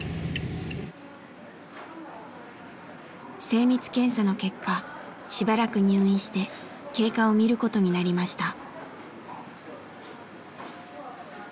精密検査の結果しばらく入院して経過を見ることになりました。